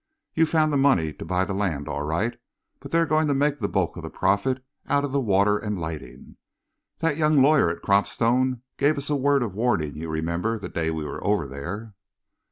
You found the money to buy the land, all right, but they're going to make the bulk of the profit out of the water and lighting. That young lawyer at Cropstone gave us a word of warning, you remember, the day we were over there."